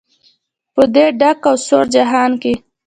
په دې ډک او سوړ جهان کې.